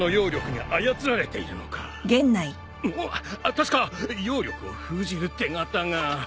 確か妖力を封じる手形が。